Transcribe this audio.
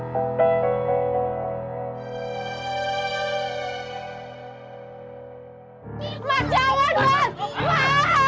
mas jawan mas mas